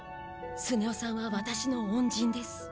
スネ夫さんはワタシの恩人です。